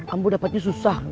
ambo dapatnya susah